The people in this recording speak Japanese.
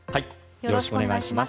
よろしくお願いします。